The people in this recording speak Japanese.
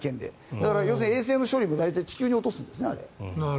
だから、衛星の処理も大体地球に落とすんですね。